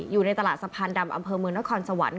อยู่ในตลาดสะพานดำอำเภอเมืองนครสวรรค์